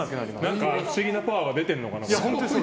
何か不思議なパワーが出てるのかな？